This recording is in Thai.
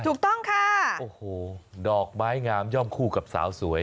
ถูกต้องค่ะโอ้โหดอกไม้งามย่อมคู่กับสาวสวย